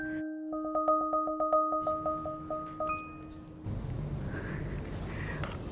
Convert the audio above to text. kapan saja dimana saja